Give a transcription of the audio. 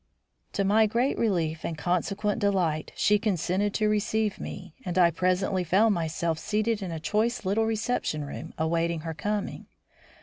To my great relief and consequent delight she consented to receive me, and I presently found myself seated in a choice little reception room awaiting her coming.